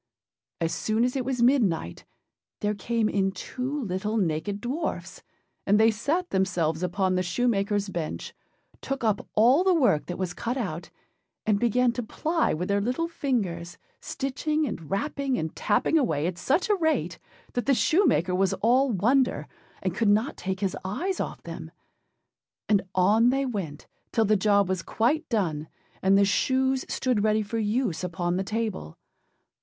As soon as it was midnight, there came in two little naked dwarfs; and they sat themselves upon the shoemakerâs bench, took up all the work that was cut out, and began to ply with their little fingers, stitching and rapping and tapping away at such a rate, that the shoemaker was all wonder, and could not take his eyes off them. And on they went, till the job was quite done, and the shoes stood ready for use upon the table.